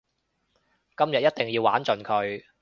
今日一定要玩盡佢